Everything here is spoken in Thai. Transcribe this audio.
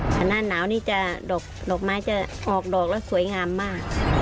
หน้าหนาวนี่จะดอกไม้จะออกดอกแล้วสวยงามมาก